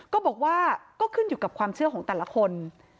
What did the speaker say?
ก็บอกว่าก็ขึ้นอยู่กับความเชื่อของแต่ละคน